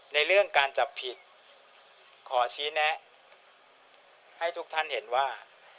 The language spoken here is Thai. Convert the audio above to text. ในเรื่องการจับผิดขอชี้แนะให้ทุกท่านเห็นว่า